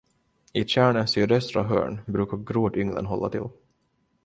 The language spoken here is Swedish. I tjärnens sydöstra hörn brukade grodynglen hålla till.